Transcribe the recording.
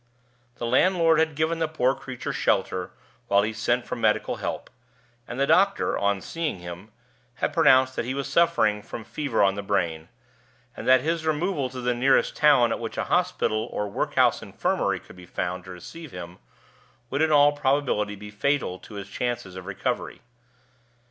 The landlord had given the poor creature shelter while he sent for medical help; and the doctor, on seeing him, had pronounced that he was suffering from fever on the brain, and that his removal to the nearest town at which a hospital or a work house infirmary could be found to receive him would in all probability be fatal to his chances of recovery.